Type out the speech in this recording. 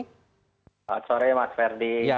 selamat sore mas ferdi